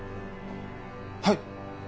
はい！